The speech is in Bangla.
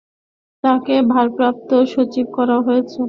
তাঁকে ভারপ্রাপ্ত সচিব করা হয়েছে।